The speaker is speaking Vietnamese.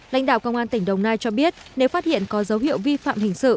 lãnh đạo công an tỉnh đồng nai cho biết nếu phát hiện có dấu hiệu vi phạm hình sự